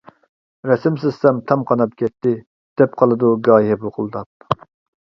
رەسىم سىزسام تام قاناپ كەتتى، دەپ قالىدۇ گاھى بۇقۇلداپ.